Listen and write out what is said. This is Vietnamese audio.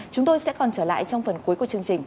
chúng tôi sẽ còn trở lại trong phần cuối của chương trình